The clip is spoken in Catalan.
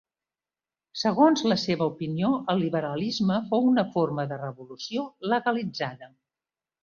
Segons la seva opinió, el liberalisme fou una forma de revolució legalitzada.